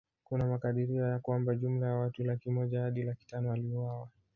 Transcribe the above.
Kuna makadirio ya kwamba jumla ya watu laki moja hadi laki tano waliuawa